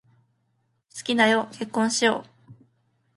好きだよ、結婚しよう。